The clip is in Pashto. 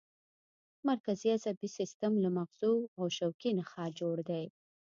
مرکزي عصبي سیستم له مغزو او شوکي نخاع جوړ دی